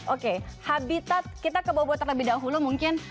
oke habitat kita kebobot terlebih dahulu mungkin